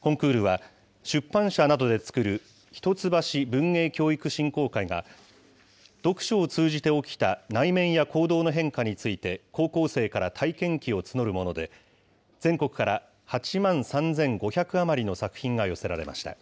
コンクールは、出版社などで作る、一ツ橋文芸教育振興会が、読書を通じて起きた内面や行動の変化について、高校生から体験記を募るもので、全国から８万３５００余りの作品が寄せられました。